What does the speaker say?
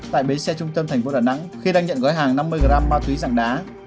tại bế xe trung tâm tp đà nẵng khi đang nhận gói hàng năm mươi g ma túy ràng đá